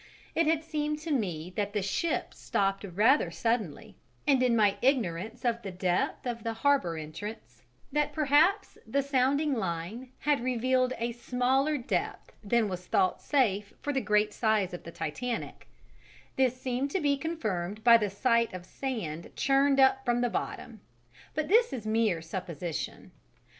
It had seemed to me that the ship stopped rather suddenly, and in my ignorance of the depth of the harbour entrance, that perhaps the sounding line had revealed a smaller depth than was thought safe for the great size of the Titanic: this seemed to be confirmed by the sight of sand churned up from the bottom but this is mere supposition.